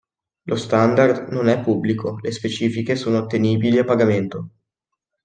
Lo standard non è pubblico, le specifiche sono ottenibili a pagamento.